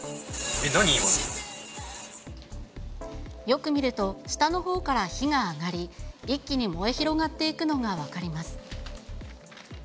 よく見ると、下のほうから火が上がり、一気に燃え広がっていくのが分かります。